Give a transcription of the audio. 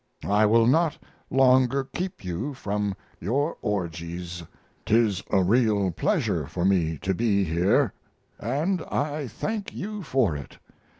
I will not longer keep you from your orgies. 'Tis a real pleasure for me to be here, and I thank you for it.